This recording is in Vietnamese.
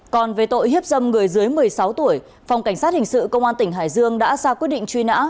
còn về tội hiếp dâm người dưới một mươi sáu tuổi phòng cảnh sát hình sự công an tỉnh hải dương đã ra quyết định truy nã